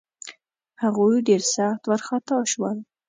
هغوی ډېر سخت وارخطا شول.